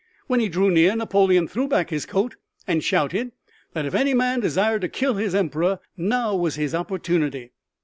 When he drew near Napoleon threw back his coat and shouted that if any man desired to kill his Emperor now was his opportunity.